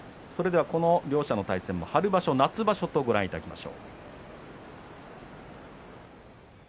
この両者の対戦も春場所夏場所とご覧いただきます。